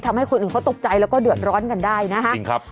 ทำให้คนอื่นเขาตกใจแล้วก็เดือดร้อนกันได้นะคะจริงครับ